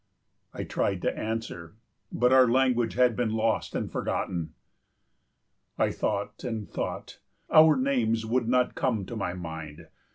I tried to answer, but our language had been lost and forgotten. I thought and thought; our names would not come to my mind.